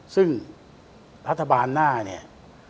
ซึ่งรัฐบาลหน้าเนี่ย